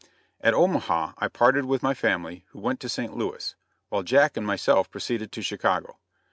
At Omaha I parted with my family, who went to St. Louis, while Jack and myself proceeded to Chicago.